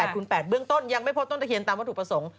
คูณ๘เบื้องต้นยังไม่พบต้นตะเคียนตามวัตถุประสงค์